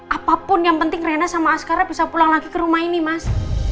apapun yang penting rena sama askara bisa pulang lagi ke rumah ini mas